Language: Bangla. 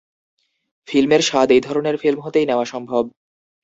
ফিল্মের স্বাদ এই ধরনের ফিল্ম হতেই নেওয়া সম্ভব।